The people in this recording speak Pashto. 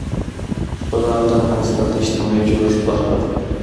زغال د افغانستان د اجتماعي جوړښت برخه ده.